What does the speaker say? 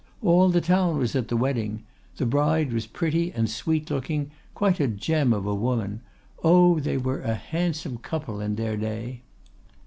All the town was at the wedding; the bride was pretty and sweet looking, quite a gem of a woman. Oh, they were a handsome couple in their day!